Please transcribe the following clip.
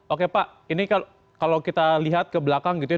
oke pak ini kalau kita lihat ke belakang gitu ya